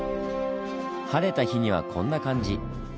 晴れた日にはこんな感じ。